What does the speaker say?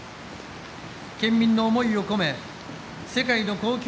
県民の思いを込め世界の恒久